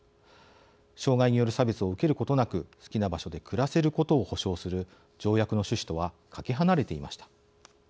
障害による差別を受けることなく好きな場所で暮らせることを保障する条約の趣旨とはかけ離れていました。